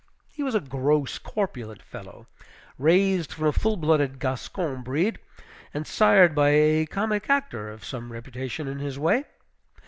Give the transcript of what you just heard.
He was a gross, corpulent fellow, raised from a full blooded Gascon breed, and sired by a comic actor of some reputation in his way.